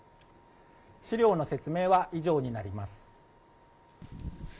資料の説明は以上になります。